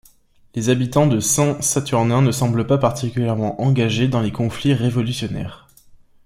Les habitants de Saint-Saturnin ne semblent pas particulièrement engagés dans les conflits révolutionnaires.